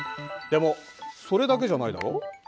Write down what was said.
でもそれだけじゃないだろう？